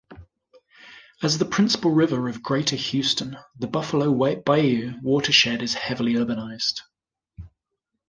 As the principal river of Greater Houston, the Buffalo Bayou watershed is heavily urbanized.